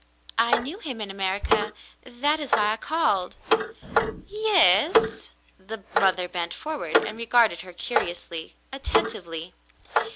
I knew him in America. That is why I called." Yes.'^" The mother bent forward and regarded her curiously, attentively.